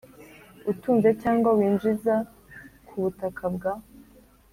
Utunze cyangwa winjiza ku butaka bwa